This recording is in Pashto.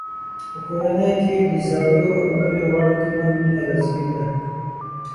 په کورنۍ کې د زړو او نویو غړو ترمنځ مینه لازمه ده.